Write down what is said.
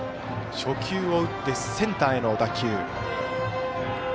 初球を打ってセンターへの打球。